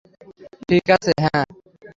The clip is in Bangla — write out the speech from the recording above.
ঠিক আছে, হ্যাঁ।